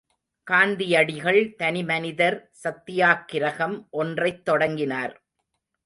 காந்தியடிகள் தனிமனிதர் சத்தியாக்கிரகம் ஒன்றைத் தொடங்கினார்.